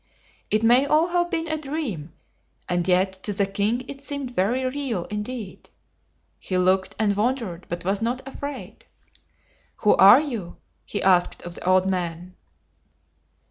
It may all have been a dream, and yet to the king it seemed very real indeed. He looked and wondered, but was not afraid. "Who are you?" he asked of the old man.